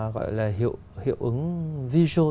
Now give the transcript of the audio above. gọi là hiệu ứng visual